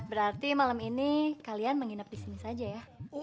berarti malam ini kalian menginap di sini saja ya